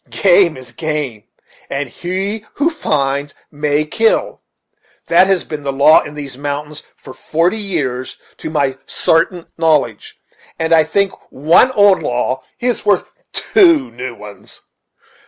Game is game, and he who finds may kill; that has been the law in these mountains for forty years to my sartain knowledge; and I think one old law is worth two new ones.